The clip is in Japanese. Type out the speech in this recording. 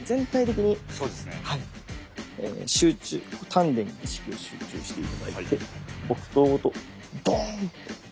丹田に意識を集中して頂いて木刀ごとドーンって。